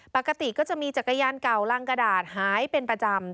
ปกติก็จะมีจักรยานเก่ารังกระดาษหายเป็นประจำ